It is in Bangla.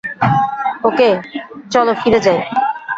ওকে, চলো ফিরে যায়।